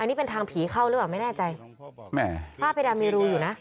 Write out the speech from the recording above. อันนี้เป็นทางผีเข้าหรือเปล่าไม่แน่ใจแหมผ้าเพดานมีรูอยู่นะ